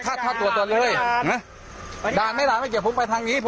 ถ้าคุณไปลงไม่ดีผมจะได้ฟ้องถูกว่าคุณปร